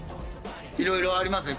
いろいろありますね